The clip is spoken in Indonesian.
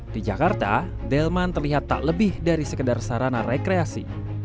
di jakarta delman terlihat tak lebih dari sekedar sarana rekreasi